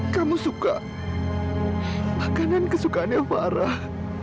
kamu suka makanan kesukaannya parah